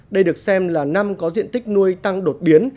đây được xem là năm có diện tích nuôi tăng đột biến